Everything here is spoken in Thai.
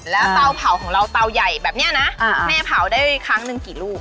แล้วเตาเผาของเราเตาใหญ่แบบนี้นะแม่เผาได้ครั้งหนึ่งกี่ลูก